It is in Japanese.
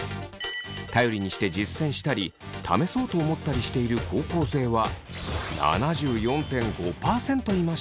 頼りにして実践したり試そうと思ったりしている高校生は７４．５％いました。